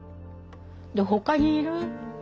ほかにいる？